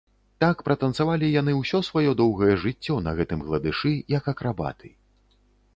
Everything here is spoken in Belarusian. Так пратанцавалі яны ўсё сваё доўгае жыццё на гэтым гладышы, як акрабаты.